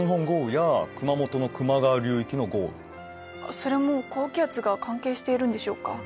それも高気圧が関係しているんでしょうか？